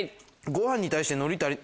ご飯に対して海苔足り。